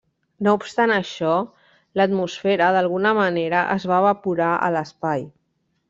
No obstant això, l'atmosfera d'alguna manera es va evaporar a l'espai.